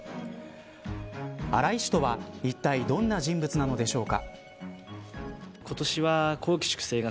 荒井氏とは、いったいどんな人物なのでしょうか。